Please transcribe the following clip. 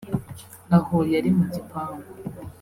Aho yari mu gipangu